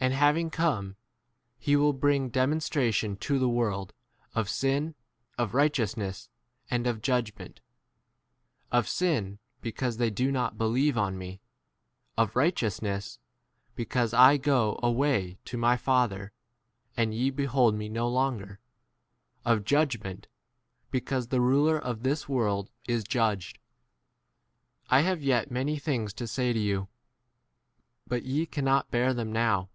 And having come, he' will bring demonstra tion J to the world, of sin, of right 9 eousness, and of judgment : of sin, because they do not believe on me ; io of righteousness, because I go a way to my k Father, and ye behold 11 me no longer ; of judgment, be cause the ruler of this world is 12 judged. I have yet many things to say to you, but ye cannot bear 13 them now.